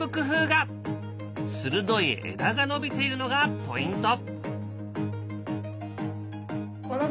鋭い枝が伸びているのがポイント。